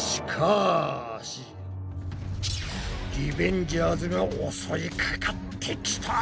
リベンジャーズが襲いかかってきた！